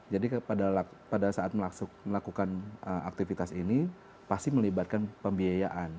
jadi pada saat melakukan aktivitas ini pasti melibatkan pembiayaan